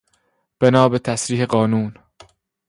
بنا به تصریح قانون